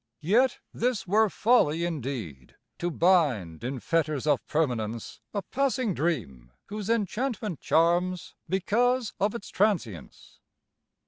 Yet, this were folly indeed; to bind, in fetters of permanence, A passing dream whose enchantment charms because of its trancience.